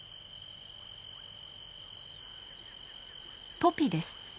トピです